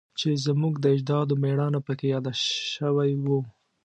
چې زموږ د اجدادو میړانه پکې یاده شوی وه